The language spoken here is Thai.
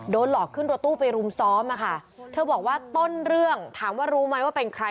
หลอกขึ้นรถตู้ไปรุมซ้อมอะค่ะเธอบอกว่าต้นเรื่องถามว่ารู้ไหมว่าเป็นใคร